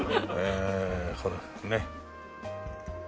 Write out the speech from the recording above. ほらねっ。